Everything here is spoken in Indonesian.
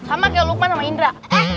sama kayak lukman sama indra